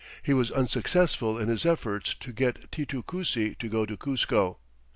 He was unsuccessful in his efforts to get Titu Cusi to go to Cuzco.